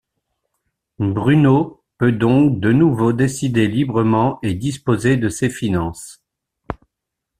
Bruno peut donc de nouveau décider librement et disposer de ses finances.